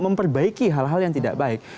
memperbaiki hal hal yang tidak baik